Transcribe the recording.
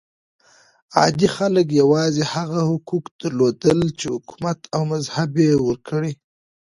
عادي خلک یوازې هغه حقوق درلودل چې حکومت او مذهب یې ورکړي.